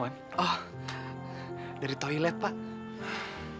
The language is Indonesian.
takan semua langsung mual lepas kerja